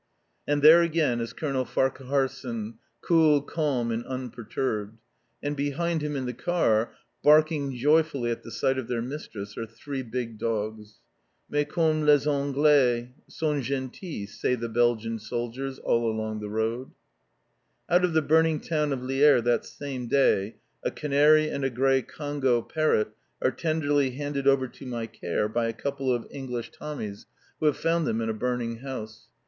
And there again is Colonel Farquharson, cool, calm, and unperturbed. And behind him, in the car, barking joyfully at the sight of their mistress, are three big dogs. "Mais comme les Anglais sont gentils!" say the Belgian soldiers along the road. Out of the burning town of Lierre that same day a canary and a grey Congo parrot are tenderly handed over to my care by a couple of English Tommies who have found them in a burning house.